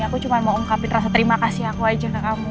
aku cuma mau ungkapin rasa terima kasih aku aja ke kamu